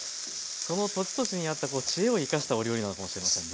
その土地土地に合った知恵を生かしたお料理なのかもしれませんね。